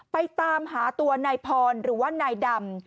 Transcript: ไปตามหาตัวนายพรหรือว่านายดำ